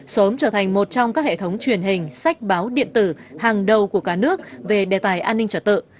sớm trở thành một trong các hệ thống truyền hình sách báo điện tử hàng đầu của cả nước về đề tài an ninh trật tự